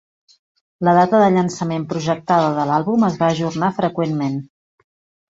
La data de llançament projectada de l'àlbum es va ajornar freqüentment.